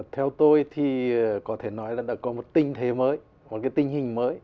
theo tôi thì có thể nói là đã có một tinh thế mới một tinh hình mới